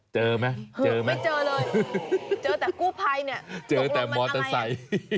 เจอไหมเจอไหมเจอแต่กู้ไพร์เนี่ยตกลงมันอะไร